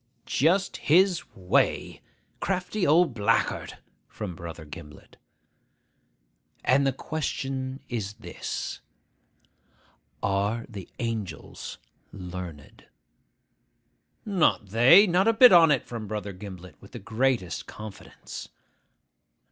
('Just his way. Crafty old blackguard!' from Brother Gimblet.) 'And the question is this, Are the angels learned?' ('Not they. Not a bit on it!' from Brother Gimblet, with the greatest confidence.)